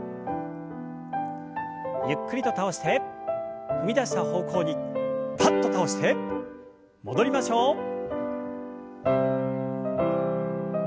ゆっくりと倒して踏み出した方向にパッと倒して戻りましょう。